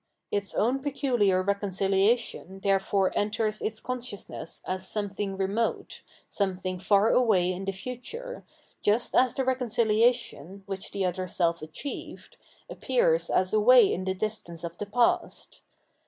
Its own pecuhar reconciliation therefore enters its consciousness as something remote, something far away in the future, just as the reconciliation, which the other self achieved, appears as away in the distance of the past.